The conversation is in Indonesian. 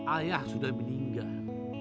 ayah sudah meninggal